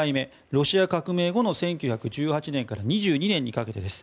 ロシア革命後の１９１８年から２２年にかけてです。